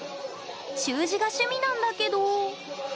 習字が趣味なんだけど。